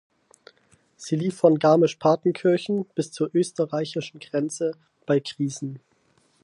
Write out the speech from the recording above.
Sie verlief von Garmisch-Partenkirchen bis zur österreichischen Grenze bei Griesen.